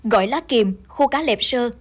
gói lá kìm khô cá lẹp sơ